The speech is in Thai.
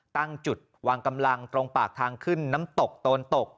ตั้งจุดวางกำลังตรงปากทางขึ้นน้ำตกโตนตก